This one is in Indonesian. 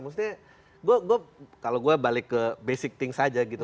maksudnya kalau gue balik ke basic things aja gitu